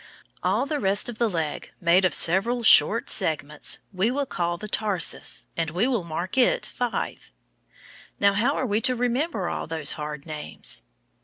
All the rest of the leg, made of several short segments, we will call the tarsus, and we will mark it V. Now how are we to remember all those hard names?